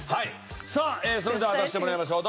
それでは出してもらいましょう。